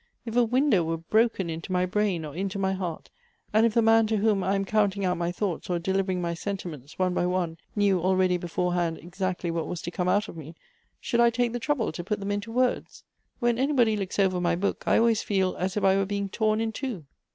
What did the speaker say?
If a window were broken into my brain or into my heart, and if the man to whom I am counting out my thoughts, or delivering my sentiments, one by one, knew already beforehand exactly what was to come out of me, should I take the trouble to put them into words ? When anybody looks over my book, I always feel as if I were being torn in two."